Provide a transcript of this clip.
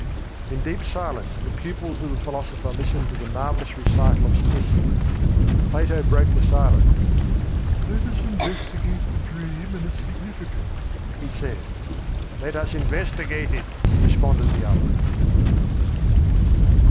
In deep silence the pupils of the philosopher listened to the marvellous recital of Ctesippus. Plato broke the silence. "Let us investigate the dream and its significance," he said. "Let us investigate it," responded the others.